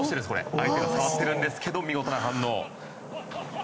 相手が来てるんですけど見事な反応。